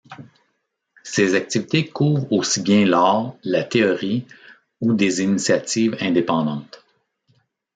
Ses activités couvrent aussi bien l'art, la théorie ou des initiatives indépendantes.